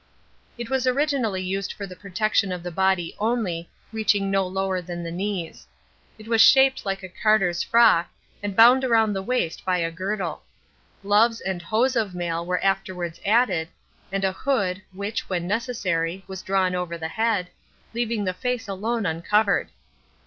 It was originally used for the protection of the body only, reaching no lower than the knees. It was shaped like a carter's frock, and bound round the waist by a girdle. Gloves and hose of mail were afterwards added, and a hood, which, when necessary, was drawn over the head, leaving the face alone uncovered.